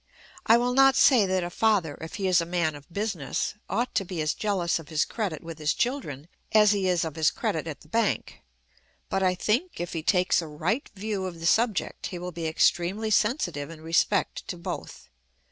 I will not say that a father, if he is a man of business, ought to be as jealous of his credit with his children as he is of his credit at the bank; but I think, if he takes a right view of the subject, he will be extremely sensitive in respect to both.